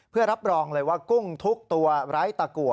เพื่อรับรองเลยว่ากุ้งทุกตัวไร้ตะกัว